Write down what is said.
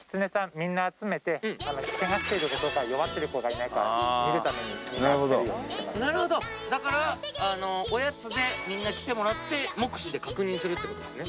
みんな集めてケガしている子とか弱っている子がいないか見るためになるほどだからおやつでみんな来てもらって目視で確認するってことですね